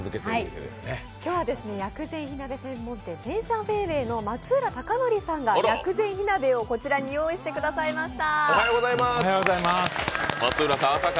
今日は薬膳火鍋専門店、天香回味の松浦孝則さんが薬膳火鍋をこちらご用意してくださいました。